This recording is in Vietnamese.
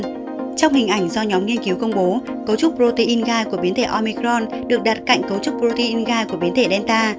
trong hình ảnh do nhóm nghiên cứu công bố cấu trúc protein gai của biến thể omicron được đặt cạnh cấu trúc protein gai của biến thể delta